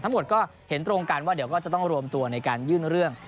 ทั้งหมดก็เห็นตรงกันว่าเดี๋ยวก็จะต้องรวมตัวในการยื่นเรื่อง